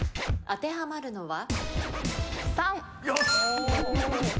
当てはまるのは？